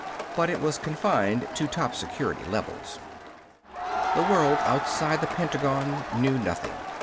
But it was confined to top security levels. The world outside the Pentagon knew nothing.